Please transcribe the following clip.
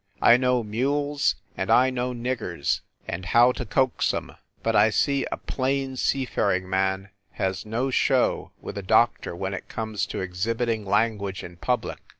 I know mules and I know niggers, and how to coax em. But I see a plain, sea faring man has no show with a doctor when it comes to exhibiting language in public.